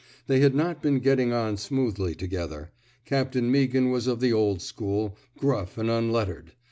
They had not been getting on smoothly together. Captain Meaghan was of the old school, gruff and unlettered.